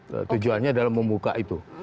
dan tujuannya adalah membuka itu